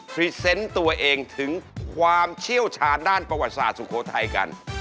รีเซนต์ตัวเองถึงความเชี่ยวชาญด้านประวัติศาสตร์สุโขทัยกัน